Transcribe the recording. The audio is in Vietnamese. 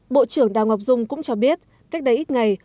bộ trưởng đào ngọc dung cũng cho biết cách đây ít ngày